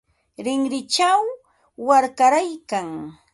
Rinrinchaw warkaraykan.